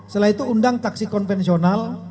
setelah itu undang taksi konvensional